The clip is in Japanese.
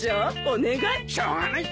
お願い。